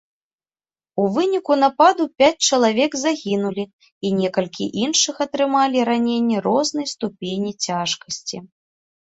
У выніку нападу пяць чалавек загінулі і некалькі іншых атрымалі раненні рознай ступені цяжкасці.